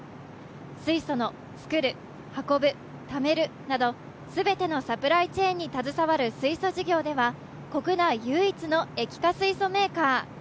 水素のつくる、運ぶ、ためるなど全てのサプライチェーンに携わる水素事業では国内唯一の液化水素メーカー。